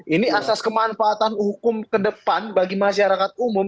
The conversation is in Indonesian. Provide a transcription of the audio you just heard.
ini asas kemanfaatan hukum ke depan bagi masyarakat umum